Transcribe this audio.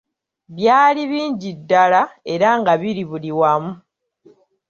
Byali bingi ddala, era nga biri buli wamu.